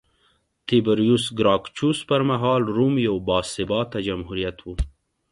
تیبریوس ګراکچوس پرمهال روم یو باثباته جمهوریت و